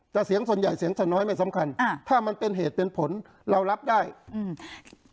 แต่เสียงส่วนใหญ่เสียงส่วนน้อยไม่สำคัญอ่าถ้ามันเป็นเหตุเป็นผลเรารับได้อืม